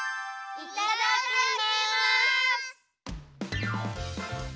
いただきます！